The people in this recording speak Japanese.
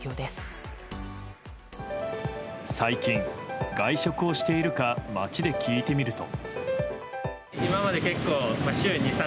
最近、外食をしているか街で聞いてみると。